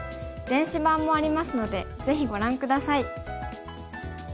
電子版もありますのでぜひご覧下さい。